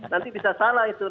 nanti bisa salah itu